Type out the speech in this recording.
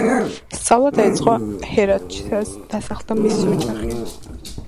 სწავლა დაიწყო ჰერათში, სადაც დასახლდა მისი ოჯახი.